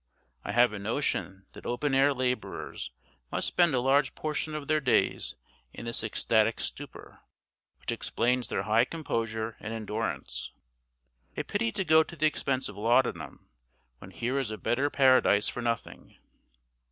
I have a notion that open air labourers must spend a large portion of their days in this ecstatic stupor, which explains their high composure and endurance. A pity to go to the expense of laudanum, when here is a better paradise for nothing!